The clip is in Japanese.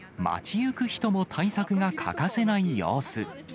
街行く人も対策が欠かせない様子。